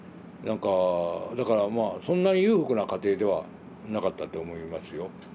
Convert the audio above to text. なんかだからまあそんな裕福な家庭ではなかったと思いますよ。